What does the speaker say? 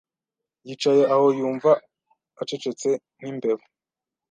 yicaye aho, yumva, acecetse nkimbeba.